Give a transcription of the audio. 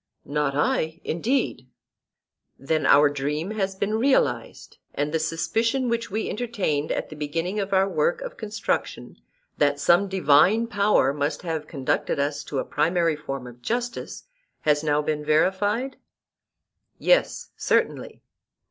Not I, indeed. Then our dream has been realized; and the suspicion which we entertained at the beginning of our work of construction, that some divine power must have conducted us to a primary form of justice, has now been verified? Yes, certainly.